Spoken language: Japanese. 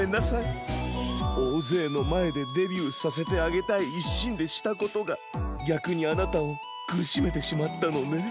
おおぜいのまえでデビューさせてあげたいいっしんでしたことがぎゃくにあなたをくるしめてしまったのね。